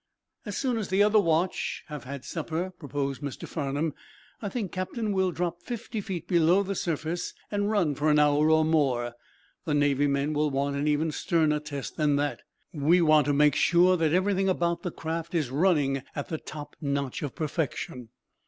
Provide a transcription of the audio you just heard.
"As soon as the other watch have had supper," proposed Mr. Farnum, "I think, Captain, we'll drop fifty feet below the surface and run for an hour or more. The Navy men will want an even sterner test than that. We want to make sure that everything about the craft is running at the top notch of perfection.